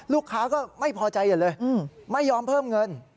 ลูกค้าก็ไม่พอใจอย่างนั้นเลยไม่ยอมเพิ่มเงิน